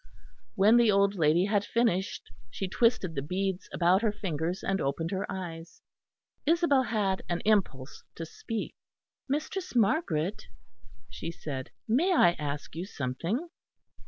When the old lady had finished, she twisted the beads about her fingers and opened her eyes. Isabel had an impulse to speak. "Mistress Margaret," she said, "may I ask you something?"